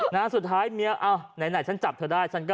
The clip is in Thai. นะสุดท้ายเมียอ้าวไหนฉันจับเธอได้ฉันก็